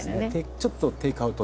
「ちょっとテイクアウト」。